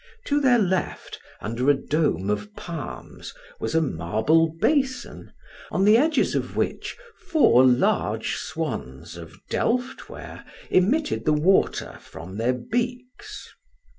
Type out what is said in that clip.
To their left, under a dome of palms, was a marble basin, on the edges of which four large swans of delftware emitted the water from their beaks.